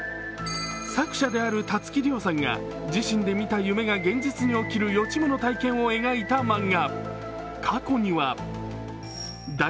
作者であるたつき諒さんが、自身で見た夢が現実に起きる予知夢の体験を描いた漫画。